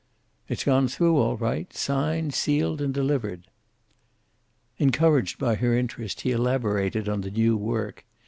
"It's gone through, all right. Signed, sealed, and delivered." Encouraged by her interest, he elaborated on the new work.